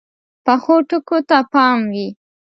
پخو ټکو ته پام وي